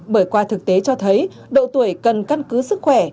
bởi qua thực tế cho thấy độ tuổi cần căn cứ sức khỏe